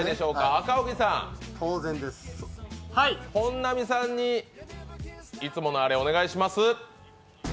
赤荻さん、本並さんにいつものあれ、お願いします。